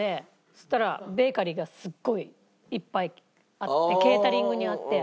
そしたらベーカリーがすっごいいっぱいあってケータリングにあって。